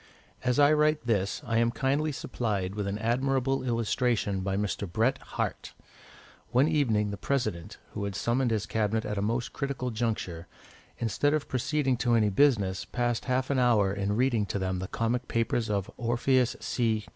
As I write this, I am kindly supplied with an admirable illustration by Mr. Bret Harte. One evening the President, who had summoned his Cabinet at a most critical juncture, instead of proceeding to any business, passed half an hour in reading to them the comic papers of Orpheus C.